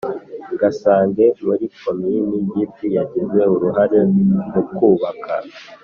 Gasange muri Komini Giti Yagize uruhare mukubaka